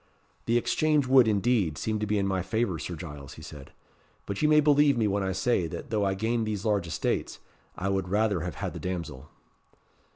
"The exchange would, indeed, seem to be in my favour, Sir Giles," he said; "but you may believe me when I say, that though I gain these large estates, I would rather have had the damsel."